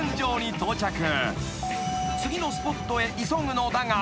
［次のスポットへ急ぐのだが］